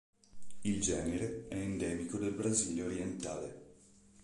Il genere è endemico del Brasile orientale.